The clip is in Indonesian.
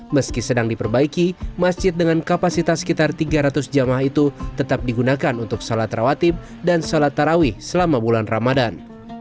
meski sedang diperbaiki masjid dengan kapasitas sekitar tiga ratus jamaah itu tetap digunakan untuk sholat rawatib dan salat tarawih selama bulan ramadan